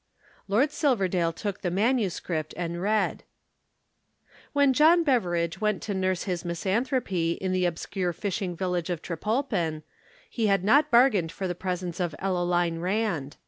Lord Silverdale took the manuscript and read. When John Beveridge went to nurse his misanthropy in the obscure fishing village of Trepolpen, he had not bargained for the presence of Ellaline Rand.